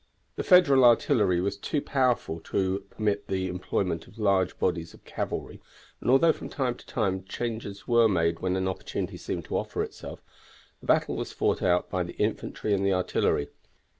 The Federal artillery was too powerful to permit the employment of large bodies of cavalry and although from time to time charges were made when an opportunity seemed to offer itself, the battle was fought out by the infantry and artillery.